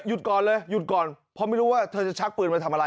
ก่อนเลยหยุดก่อนเพราะไม่รู้ว่าเธอจะชักปืนมาทำอะไร